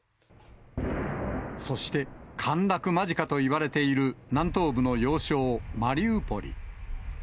そして、陥落間近といわれている南東部の要衝マリウポリ。